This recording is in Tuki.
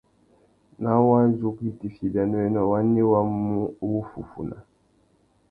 Ná wadjú kā itifiya ibianéwénô, wani wá mú wuffúffuna?